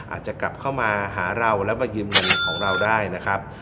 อาจจะกลับเข้ามาหาเราแล้วก็ยืมเงินของเราได้นะครับ